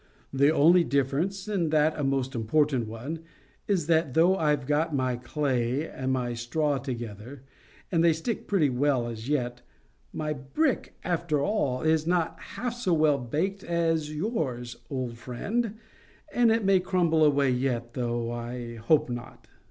The only difference, and that a most important one, is that, though I've got my clay and my straw together, and they stick pretty well as yet, my brick, after all, is not half so well baked as yours, old friend, and it may crumble away yet, though I hope not."